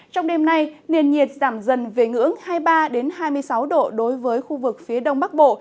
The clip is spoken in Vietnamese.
trong đêm nay nền nhiệt giảm dần về ngưỡng hai mươi ba hai mươi sáu độ đối với khu vực phía đông bắc bộ